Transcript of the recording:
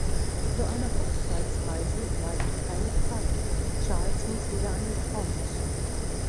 Für eine Hochzeitsreise bleibt keine Zeit, Charles muss wieder an die Front.